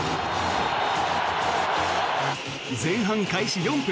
前半開始４分。